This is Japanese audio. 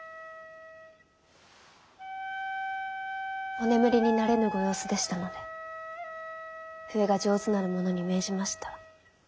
お眠りになれぬご様子でしたので笛が上手なる者に命じました。